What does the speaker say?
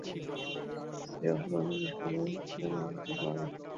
সেই অসাধারণ জিনিস খুঁজে বের করতে আমার ভাল লাগে।